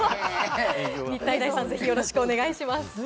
日体大さん、よろしくお願いします。